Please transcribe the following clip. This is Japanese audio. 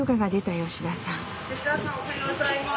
吉田さんおはようございます。